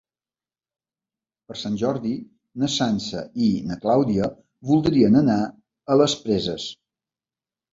Per Sant Jordi na Sança i na Clàudia voldrien anar a les Preses.